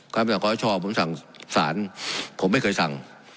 คำสั่งขอชอผมสั่งสารผมไม่เคยสั่ง